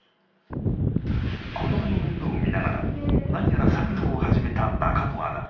子どもの面倒を見ながら何やら作業を始めた中野アナ。